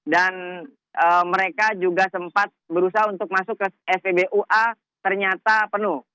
dan mereka juga sempat berusaha untuk masuk ke spbu a ternyata penuh